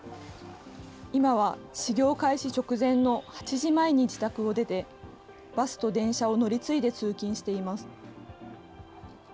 今は始業開始直前の８時前に自宅を出て、バスと電車を乗り継いで通勤しています。